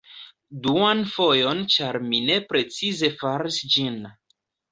Duan fojon ĉar mi ne precize faris ĝin